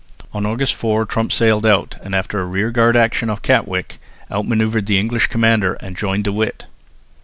On August 4 Tromp sailed out and, after a rearguard action off Katwijk, out manoeuvred the English commander and joined De With.